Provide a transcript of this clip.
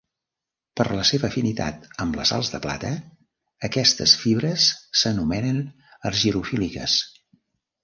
Per la seva afinitat amb les sals de plata, aquestes fibres s'anomenen argirofíliques.